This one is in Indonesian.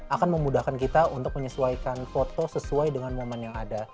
akan memudahkan kita untuk menyesuaikan foto sesuai dengan momen yang ada